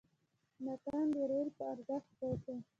ناتان د رېل په ارزښت پوه شو.